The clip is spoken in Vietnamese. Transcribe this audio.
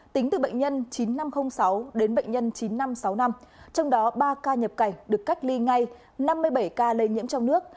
tính từ bệnh nhân chín nghìn năm trăm linh sáu đến bệnh nhân chín nghìn năm trăm sáu mươi năm trong đó ba ca nhập cảnh được cách ly ngay năm mươi bảy ca lây nhiễm trong nước